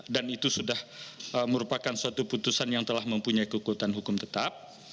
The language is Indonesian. dan itu sudah merupakan suatu putusan yang telah mempunyai kekuatan hukum tetap